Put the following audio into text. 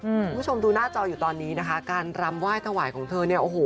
คุณผู้ชมดูหน้าจออยู่ตอนนี้นะคะการรำไหว้ถวายของเธอเนี่ยโอ้โห